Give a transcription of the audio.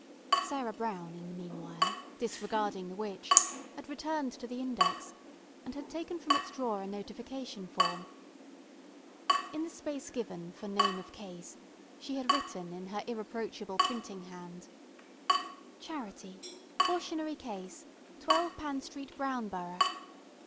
Sarah Brown in the meanwhile, disregarding the witch, had returned to the index, and had taken from its drawer a notification form. In the space given for Name of Case she had written in her irreproachable printing hand: "CHARITY, Cautionary Case, 12 Pan Street, Brown Borough.